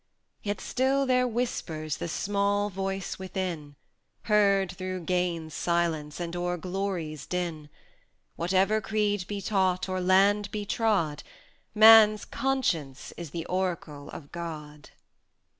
120 Yet still there whispers the small voice within, Heard through Gain's silence, and o'er Glory's din: Whatever creed be taught, or land be trod, Man's conscience is the Oracle of God.